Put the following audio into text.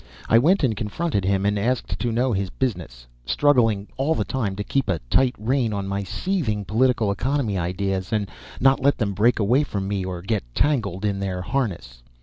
I went and confronted him, and asked to know his business, struggling all the time to keep a tight rein on my seething political economy ideas, and not let them break away from me or get tangled in their harness.